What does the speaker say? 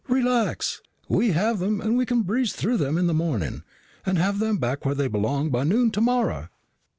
"Relax! We have them and we can breeze through them in the morning and have them back where they belong by noon tomorrow."